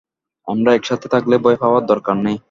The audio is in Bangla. আমরা একসাথে থাকলে ভয় পাওয়ার দরকার নেই।